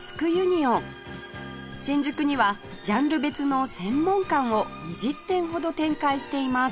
新宿にはジャンル別の専門館を２０店ほど展開しています